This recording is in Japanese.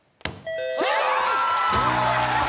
正解！